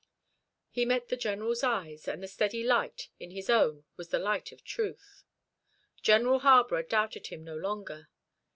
He met the General's eyes, and the steady light in his own was the light of truth. General Harborough doubted him no longer.